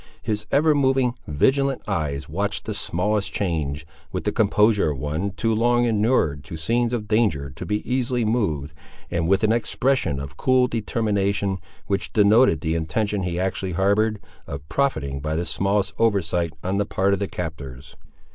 His ever moving, vigilant eyes, watched the smallest change, with the composure of one too long inured to scenes of danger to be easily moved, and with an expression of cool determination which denoted the intention he actually harboured, of profiting by the smallest oversight on the part of the captors.